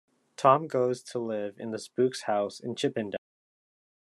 Tom goes to live in the Spook's house in Chipenden.